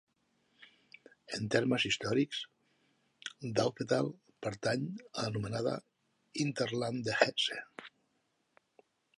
En termes històrics, Dautphetal pertany a l'anomenada Hinterland de Hesse.